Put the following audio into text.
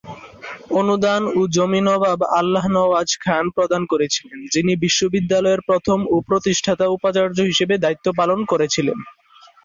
অনুদান ও জমি নবাব আল্লাহ নওয়াজ খান প্রদান করেছিলেন, যিনি বিশ্ববিদ্যালয়ের প্রথম ও প্রতিষ্ঠাতা উপাচার্য হিসাবে দায়িত্ব পালন করেছিলেন।